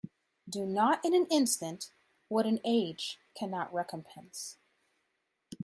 Do not in an instant what an age cannot recompense.